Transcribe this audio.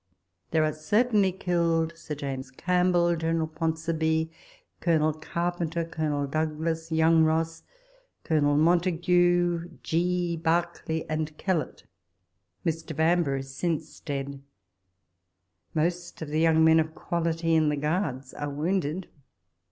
There are certainly killed Sir James Campbell, General Ponsonby, Colonel Carpenter, Colonel Douglas, young Ross, Colonel Montagu, Gee, Berkeley, and Kellet. Mr. Vanburgh is since dead. Most of the young men of quality in the Guards are wounded.